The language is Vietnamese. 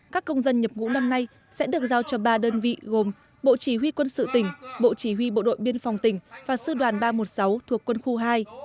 các công dân nhập ngũ năm nay sẽ được giao cho ba đơn vị gồm bộ chỉ huy quân sự tỉnh bộ chỉ huy bộ đội biên phòng tỉnh và sư đoàn ba trăm một mươi sáu thuộc quân khu hai